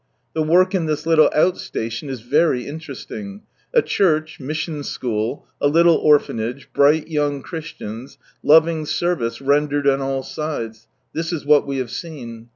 The work in this litde out station is very interesting. A church, mission school, a little orphanage, bright young Christians, loving service rendered on all sides — this is what we have seen.